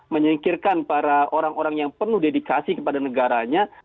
menyingkirkan para orang orang yang penuh dedikasi kepada negaranya